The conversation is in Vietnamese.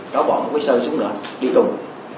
có bọn quấy sơn xuống nữa đi cùng